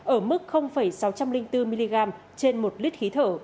ở mức sáu trăm linh bốn mg trên một lít khí thở